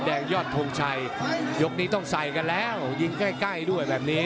ยอดทงชัยยกนี้ต้องใส่กันแล้วยิงใกล้ใกล้ด้วยแบบนี้